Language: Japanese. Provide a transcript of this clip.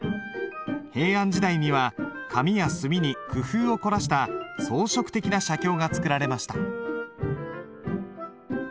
平安時代には紙や墨に工夫を凝らした装飾的な写経が作られました。